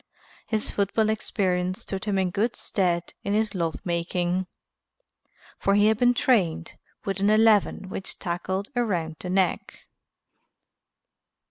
His football experience stood him in good stead in his love making, for he had been trained with an eleven which tackled around the neck.